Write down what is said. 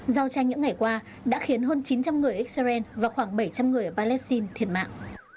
giao tranh những ngày qua đã khiến hơn chín trăm linh người israel và khoảng bảy trăm linh người palestine thiệt mạng